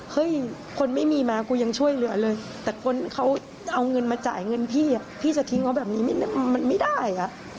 คนไม่มีมากูยังช่วยเหลือเลยแต่คนเขาจะเอาเงินมาจ่ายเงินพี่พี่จะทิ้งเขาแบบนี้มันไม่ได้